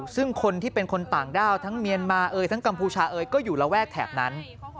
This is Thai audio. ซึ่งคนที่เป็นคนต่างด้าวทั้งเมียนมาเอ่ยทั้งกัมพูชาเอ๋ยก็อยู่ระแวกแถบนั้น